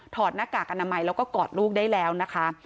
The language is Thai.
หน้ากากอนามัยแล้วก็กอดลูกได้แล้วนะคะ